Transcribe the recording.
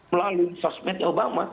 melalui sosmednya obama